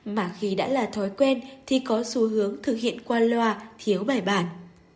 mà khi đã là thói quen thì có xu hướng thực hiện qua loa thiếu bài bản